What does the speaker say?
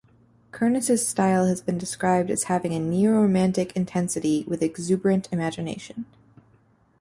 Kernis's style has been described as having neo-romantic intensity with exuberant imagination.